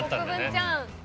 国分ちゃん。